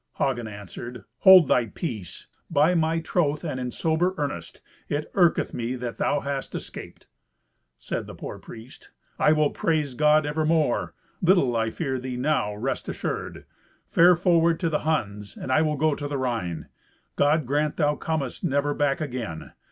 Hagen answered, "Hold thy peace. By my troth, and in sober earnest, it irketh me that thou hast escaped." Said the poor priest, "I will praise God evermore. Little I fear thee now, rest assured. Fare forward to the Huns, and I will to the Rhine. God grant thou comest never back again.